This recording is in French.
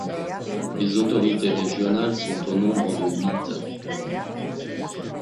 Les autorités régionales sont au nombre de huit.